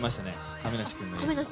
亀梨君の。